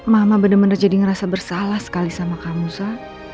mama bener bener jadi ngerasa bersalah sekali sama kamusa